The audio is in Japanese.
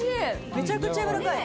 めちゃくちゃやわらかい。